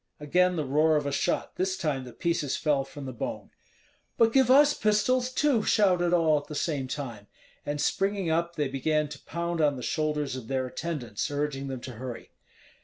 Again the roar of a shot; this time the pieces fell from the bone. "But give us pistols too!" shouted all at the same time. And springing up, they began to pound on the shoulders of their attendants, urging them to hurry.